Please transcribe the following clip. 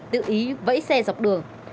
tự ý vẫy xe dọc đường